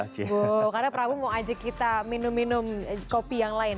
karena prabu mau ajak kita minum minum kopi yang lain